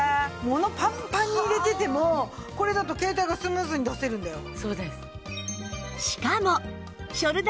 物パンパンに入れててもこれだと携帯がスムーズに出せるんだよ。